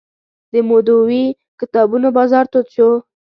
د مودودي کتابونو بازار تود شو